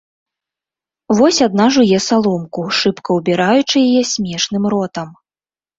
Вось адна жуе саломку, шыбка ўбіраючы яе смешным ротам.